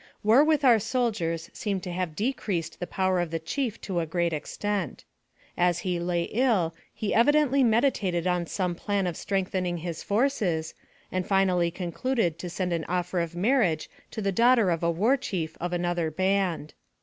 War with our soldiers seemed to have decreased the power of the chief to a great extent. AMONG THE SIOUX INDIANS. 127 As he lay ill, he evidently meditated on some plan of strengthening his forces, and finally concluded to send an offer of marriage to the daughter of a war chief of another band.